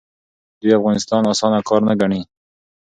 دوی افغانستان اسانه کار نه ګڼي.